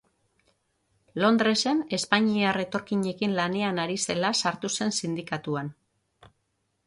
Londresen espainiar etorkinekin lanean ari zela sartu zen sindikatuan.